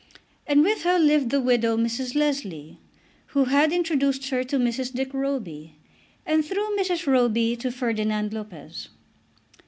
And with her lived the widow, Mrs. Leslie, who had introduced her to Mrs. Dick Roby, and through Mrs. Roby to Ferdinand Lopez.